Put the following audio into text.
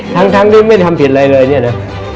ทั้งทั้งด้วยไม่ได้ทำผิดอะไรเลยนี่นะ